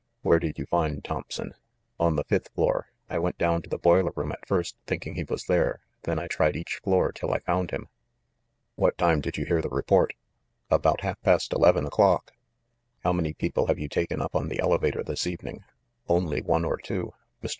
"Where did you find Thompson?" "On the fifth floor. I went down to the boiler room at first, thinking he was there ; then I tried each floor till I found him." "What time did you hear the report?" "About half past eleven o'clock." "How many people have you taken up on the ele vator this evening?" "Only one or two. Mr.